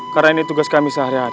karena ini tugas kami sehari hari